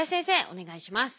お願いします。